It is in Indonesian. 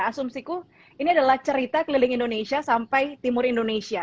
asumsiku ini adalah cerita keliling indonesia sampai timur indonesia